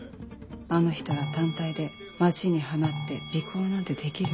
あの人ら単体で街に放って尾行なんてできる？